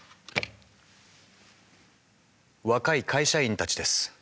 若い会社員たちです。